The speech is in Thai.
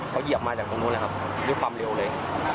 เขาเหยียบมาจากตรงนู้นนะครับด้วยความเร็วเลย